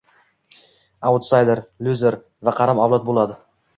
autsayder, «luzer» va qaram avlod bo‘ladi.